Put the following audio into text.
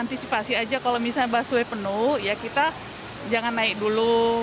antisipasi aja kalau misalnya busway penuh ya kita jangan naik dulu